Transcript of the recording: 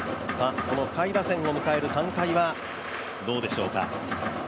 この下位打線を迎える３回はどうでしょうか。